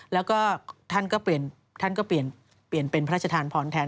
แล้วก็ท่านก็เปลี่ยนเป็นพระราชทานพรแทน